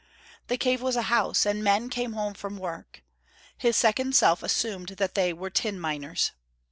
The cave was a house: and men came home from work. His second self assumed that they were tin miners.